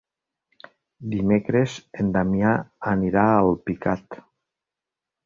Dimecres en Damià anirà a Alpicat.